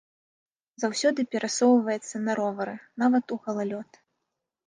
Заўсёды перасоўваецца на ровары, нават у галалёд.